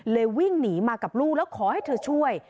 วิ่งหนีมากับลูกแล้วขอให้เธอช่วย